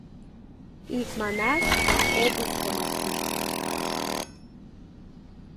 Икманаш, обыскым ыштышт.